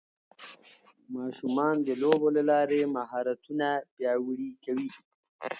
ماشومان د لوبو له لارې مهارتونه پیاوړي کوي